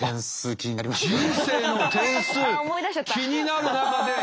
気になる中で。